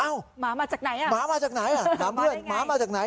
อ้าวหมามาจากไหนหมามาจากไหนหมามาจากไหน